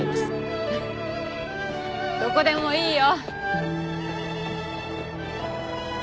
フッどこでもいいよ。